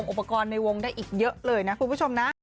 อุปกรณ์ในวงได้อีกเยอะเลยนะคุณผู้ชมนะ